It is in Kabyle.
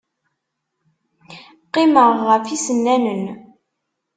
Qqimeɣ ɣef yisennanen.